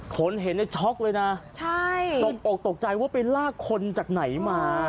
คนเห็นเนี่ยช็อกเลยนะใช่ตกอกตกใจว่าไปลากคนจากไหนมา